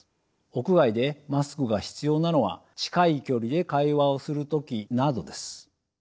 屋外でマスクが必要なのは近い距離で会話をする時などです。